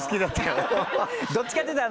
どっちかっていったら。